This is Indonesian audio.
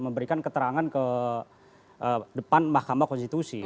memberikan keterangan ke depan mahkamah konstitusi